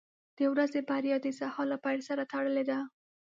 • د ورځې بریا د سهار له پیل سره تړلې ده.